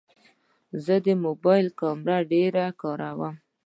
زه د موبایل کیمره ډېره کاروم.